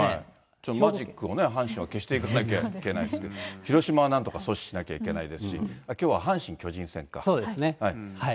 ちょっとマジックも阪神は消していかないといけないですけど、広島はなんとか阻止しなきゃいけないですし、きょうは阪神・巨人戦か。